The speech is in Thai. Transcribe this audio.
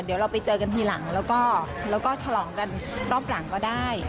เดี๋ยวเราไปเจอกันทีหลังแล้วก็ฉลองกันรอบหลังก็ได้